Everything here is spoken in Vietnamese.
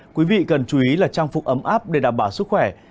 quý vị cần chú ý là trang phục ấm áp để đảm bảo sức khỏe